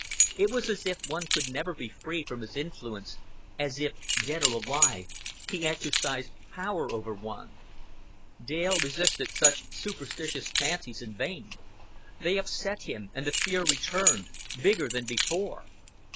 It was as if one could never be free from his influence, as if, dead or alive, he exercised power over one. Dale resisted such superstitious fancies in vain. They upset him; and the fear returned, bigger than before.